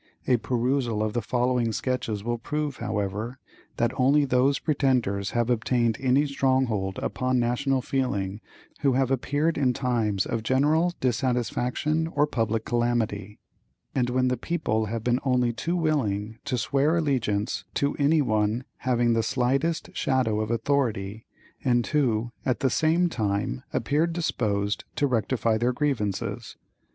A perusal of the following sketches will prove, however, that only those pretenders have obtained any strong hold upon national feeling who have appeared in times of general dissatisfaction or public calamity, and when the people have been only too willing to swear allegiance to any one having the slightest shadow of authority, and who, at the same time, appeared disposed to rectify their grievances.